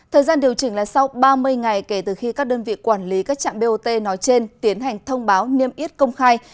thời gian điều chỉnh là sau ba mươi ngày kể từ khi các đơn vị quản lý các trạm bot nói trên tiến hành thông báo niêm yết công khai